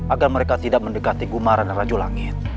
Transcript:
agar mereka tidak mendekati gumara dan rajo langit